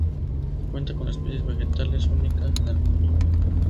Cuenta con especies vegetales únicas en el mundo.